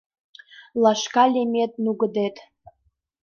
Лашка лемет нугыдет.